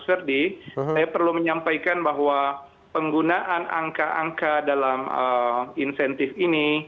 saya perlu menyampaikan bahwa penggunaan angka angka dalam insentif ini